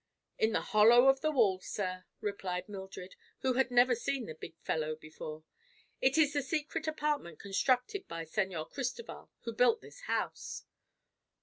"It is the hollow of the wall, sir," replied Mildred, who had never seen the big fellow before. "It is the secret apartment constructed by Señor Cristoval, who built this house."